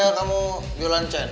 bukannya kamu jualan channel